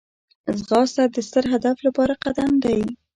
ځغاسته د ستر هدف لپاره قدم دی